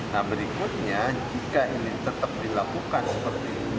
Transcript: nah berikutnya jika ini tetap dilakukan seperti ini